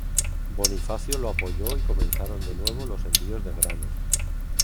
Bonifacio lo apoyó y comenzaron de nuevo los envíos de grano.